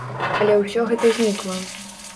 Але ўсё гэта знікла.